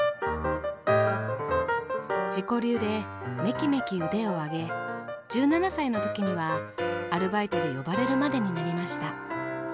自己流でメキメキ腕を上げ１７歳の時にはアルバイトで呼ばれるまでになりました。